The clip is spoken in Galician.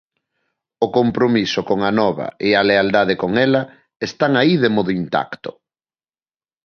O compromiso con Anova e a lealdade con ela están aí de modo intacto.